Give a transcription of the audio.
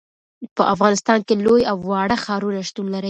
په افغانستان کې لوی او واړه ښارونه شتون لري.